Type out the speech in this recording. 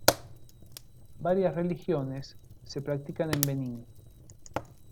Varias religiones se practican en Benín.